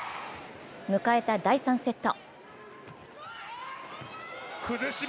迎えた第３セット。